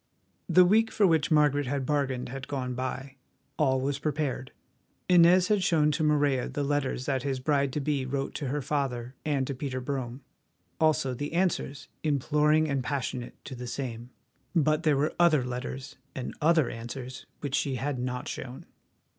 The week for which Margaret had bargained had gone by. All was prepared. Inez had shown to Morella the letters that his bride to be wrote to her father and to Peter Brome; also the answers, imploring and passionate, to the same. But there were other letters and other answers which she had not shown.